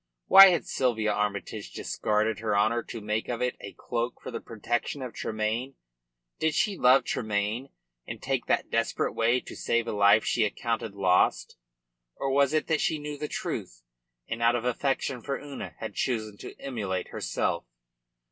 Why had Sylvia Armytage discarded her honour to make of it a cloak for the protection of Tremayne? Did she love Tremayne and take that desperate way to save a life she accounted lost, or was it that she knew the truth, and out of affection for Una had chosen to immolate herself?